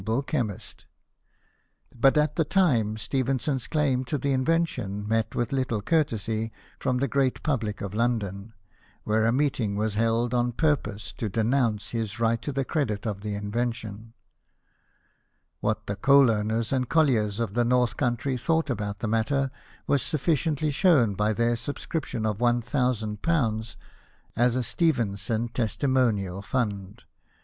ble chemist ; but at the time, Stephenson's claim to the invention met with little courtesy from the great public of London, where a meeting was held on purpose to denounce his right to the credit of the invention. What the coal owners and colliers of the North Country 48 BIOGRAPHIES OF WORKING MEN. thought about the matter was sufficiently shown by their subscription of ^1000, as a Stephenson testimonial fund.